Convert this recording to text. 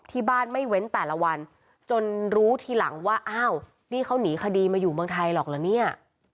ที่บ้านไม่เว้นแต่ละวันจนรู้ทีหลังว่าอ้าวนี่เขาหนีคดีมาอยู่เมืองไทยหรอกเหรอเนี่ย